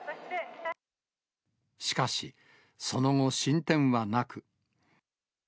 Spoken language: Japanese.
しかし、その後、進展はなく。